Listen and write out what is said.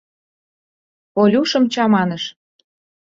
— Колюшым чаманыш.